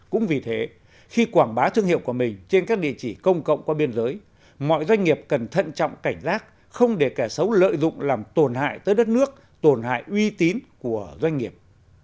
cũng vì thế khi quảng bá thương hiệu của mình trên các địa chỉ công cộng qua biên giới mọi doanh nghiệp cần thận trọng cảnh giác không để kẻ xấu lợi dụng làm tổn hại tới đất nước tổn hại uy tín của doanh nghiệp